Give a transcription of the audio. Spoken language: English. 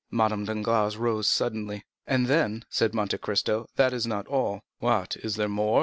Madame Danglars rose suddenly. "And then," said Monte Cristo, "this is not all." "What is there more?"